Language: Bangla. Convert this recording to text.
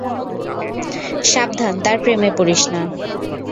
সাবধান, তার প্রেমে পড়িস না।